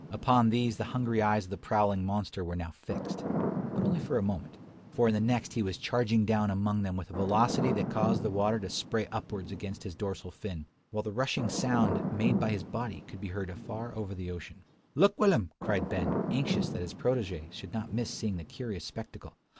Upon these the hungry eyes of the prowling monster were now fixed; but only for a moment: for in the next he was charging down among them with a velocity that caused the water to spray upwards against his dorsal fin, while the rushing sound made by his body could be heard afar off over the ocean, "Look, Will'm!" cried Ben, anxious that his protege should not miss seeing the curious spectacle.